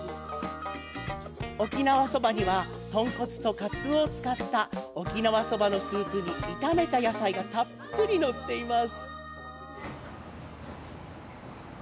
野菜そばには豚骨とカツオを使った沖縄そばのスープに炒めた野菜がたっぷりのっています。